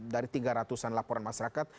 dari tiga ratus an laporan masyarakat